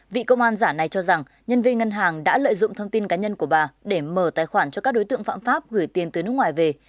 vị công an giả này cho rằng nhân viên ngân hàng đã lợi dụng thông tin cá nhân của bà để mở tài khoản cho các đối tượng phạm pháp gửi tiền từ nước ngoài về